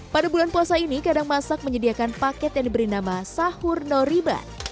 pada bulan puasa ini kadang masak menyediakan paket yang diberi nama sahur noriban